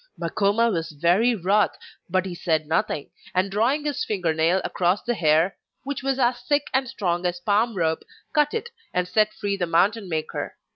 Makoma was very wroth, but he said nothing, and drawing his finger nail across the hair (which was as thick and strong as palm rope) cut it, and set free the mountain maker.